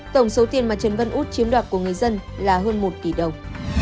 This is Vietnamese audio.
tổng số tiền mà trần văn út chiếm đoạt của người dân là hơn một tỷ đồng